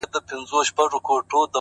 o جواب را كړې؛